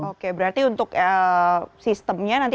oke berarti untuk sistemnya nanti